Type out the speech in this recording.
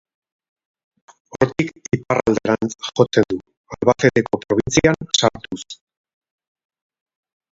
Hortik iparralderantz jotzen du Albaceteko probintzian sartuz.